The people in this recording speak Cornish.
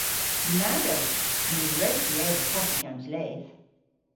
Na wrewgh! Ny wrewgh hwi eva koffi gans leth.